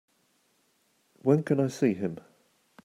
When can I see him?